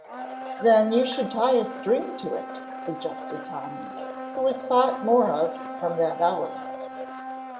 "Then you should tie a string to it," suggested Tommy, who was thought more of from that hour.